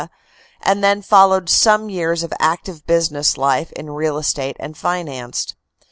and then followed some years of active business life, in real estate and finance.